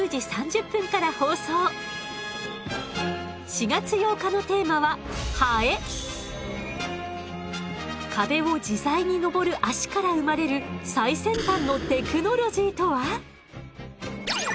４月８日のテーマは壁を自在に登る脚から生まれる最先端のテクノロジーとは？